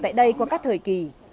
tại đây qua các thời kỳ